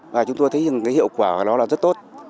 và chúng tôi thấy hiệu quả của nó rất tốt